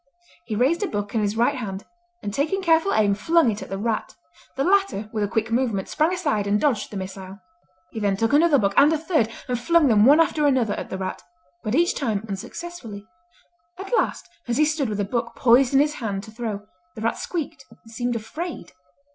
He raised a book in his right hand, and taking careful aim, flung it at the rat. The latter, with a quick movement, sprang aside and dodged the missile. He then took another book, and a third, and flung them one after another at the rat, but each time unsuccessfully. At last, as he stood with a book poised in his hand to throw, the rat squeaked and seemed afraid.